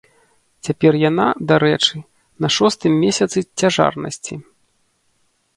Цяпер яна, дарэчы, на шостым месяцы цяжарнасці.